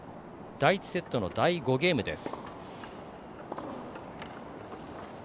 第１セットの第５ゲームです。